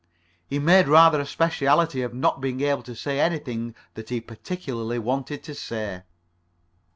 He made rather a specialty of not being able to say anything that he particularly wanted to say.